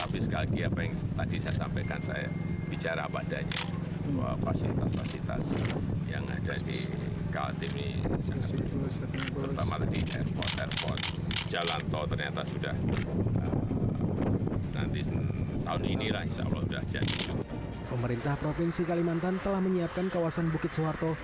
pemerintah provinsi kalimantan telah menyiapkan kawasan bukit suharto